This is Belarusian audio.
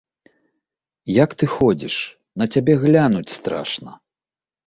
Як ты ходзіш, на цябе глянуць страшна!